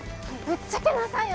ぶっちゃけなさいよ